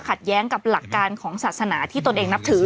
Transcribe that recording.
แย้งกับหลักการของศาสนาที่ตนเองนับถือ